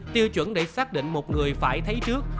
tiêu chuẩn để xác định một người phải thấy trước